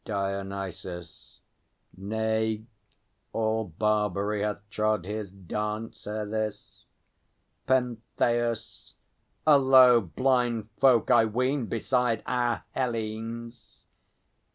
DIONYSUS. Nay; all Barbary hath trod His dance ere this. PENTHEUS. A low blind folk, I ween, Beside our Hellenes!